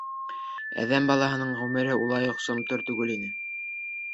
Әҙәм балаһының ғүмере улай уҡ сомтор түгел инде.